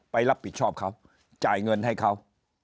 รับผิดชอบเขาจ่ายเงินให้เขา